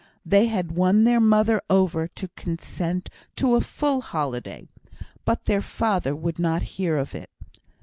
They had won their mother over to consent to a full holiday, but their father would not hear of it.